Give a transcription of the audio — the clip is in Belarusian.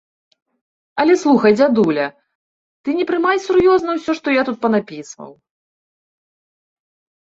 Але слухай, дзядуля, ты не прымай сур'ёзна ўсё, што я тут панапісваў.